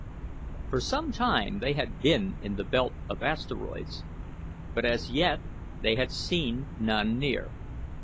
For some time they had been in the belt of asteroids, but as yet they had seen none near.